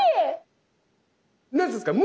何て言うんですか。